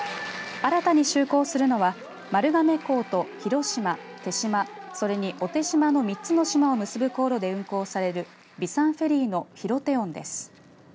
新たに就航するのは丸亀港と広島手島、それに小手島の３つの島を結ぶ航路で運航される備讃フェリーのひろておんです。